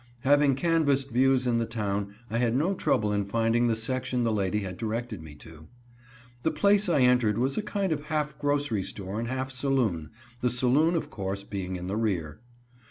Having canvassed views in the town, I had no trouble in finding the section the lady had directed me to. The place I entered was a kind of half grocery store and half saloon the saloon, of course, being in the rear.